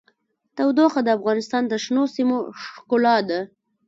تودوخه د افغانستان د شنو سیمو ښکلا ده.